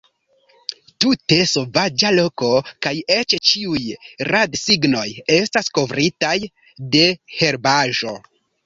Tute sovaĝa loko, kaj eĉ ĉiuj radsignoj estas kovritaj de herbaĵo!